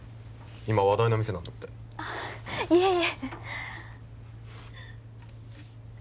今話題の店なんだってあいえいえ